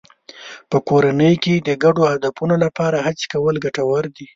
په کورنۍ کې د ګډو هدفونو لپاره هڅې کول ګټور دي.